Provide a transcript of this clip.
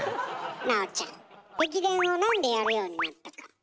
南朋ちゃん駅伝をなんでやるようになったか。